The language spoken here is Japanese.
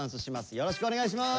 よろしくお願いします！